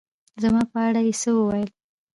زما په اړه يې څه ووېل